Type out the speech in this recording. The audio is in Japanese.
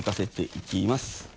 いきます